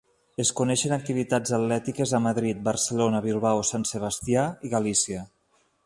Es coneixen activitats atlètiques a Madrid, Barcelona, Bilbao, Sant Sebastià i Galícia.